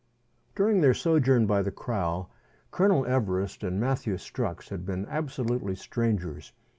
During their sojourn by the kraal, Colonel Everest and Matthew Strux had been absolutely strangers.